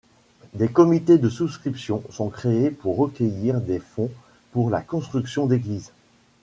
Des comités de souscription sont créés pour recueillir des fonds pour la construction d’églises.